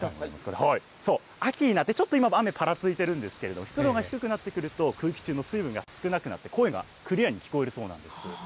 秋になってちょっと今雨ぱらついているんですけど、湿度が低くなってくると、空気中の水分が少なくなって、声がクリアに聞こえるそうなんです。